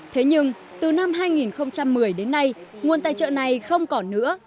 thế nhưng từ năm hai nghìn một mươi đến nay nguồn tài trợ này không còn nữa